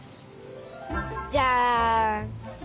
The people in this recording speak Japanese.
じゃん！